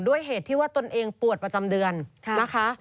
เหตุที่ว่าตนเองปวดประจำเดือนนะคะ